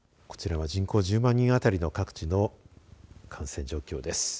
こちらは人口１０万人当たりの各地の感染状況です。